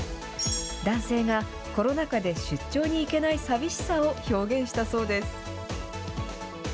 男性が、コロナ禍で出張に行けない寂しさを表現したそうです。